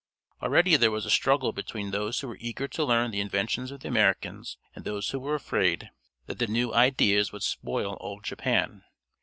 Already there was a struggle between those who were eager to learn the inventions of the Americans, and those who were afraid that the new ideas would spoil old Japan.